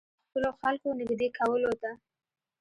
د خپلو خلکو نېږدې کولو ته.